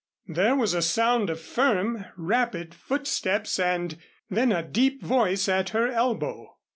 There was a sound of firm, rapid footsteps and then a deep voice at her elbow.